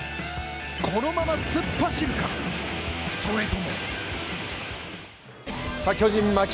このまま突っ走るか、それとも巨人先発